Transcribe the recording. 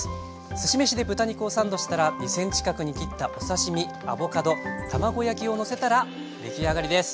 すし飯で豚肉をサンドしたら２ｃｍ角に切ったお刺身アボカド卵焼きをのせたら出来上がりです。